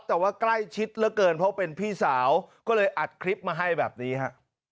แต่ว่าใกล้ชิดเหลือเกินเพราะเป็นพี่สาวก็เลยอัดคลิปมาให้แบบนี้ฮะ